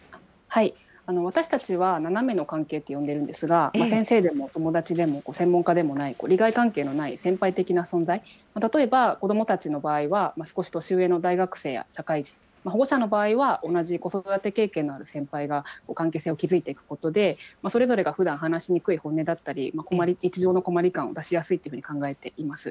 私たちは斜めの関係って呼んでるんですが、先生でも友達でも専門家でもない、利害関係のない先輩的な存在、例えば、子どもたちの場合は、少し年上の大学生や社会人、保護者の場合は、同じ子育て経験のある先輩が関係性を築いていくことで、それぞれがふだん、話しにくい本音だったり、日常の困り感を出しやすいっていうふうに考えています。